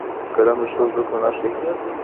قلم د ښو زدهکړو نښه ده